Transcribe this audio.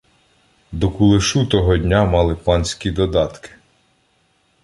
До кулешу того дня мали панські додатки.